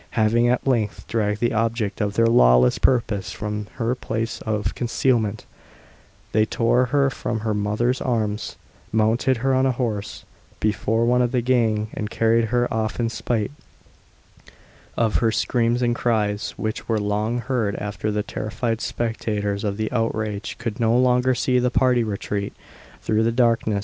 Having, at length, dragged the object of their lawless purpose from her place of concealment, they tore her from her mother's arms, mounted her on a horse before one of the gang, and carried her off in spite, of her screams and cries, which were long heard after the terrified spectators of the outrage could no longer see the party retreat through the darkness.